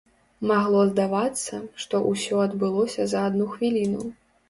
Магло здавацца, што ўсё адбылося за адну хвіліну.